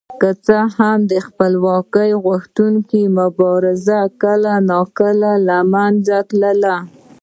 که څه هم د خپلواکۍ غوښتونکو مبارزې کله ناکله له منځه تللې.